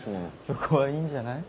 そこはいいんじゃない。